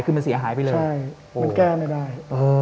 คือมันเสียหายไปเลย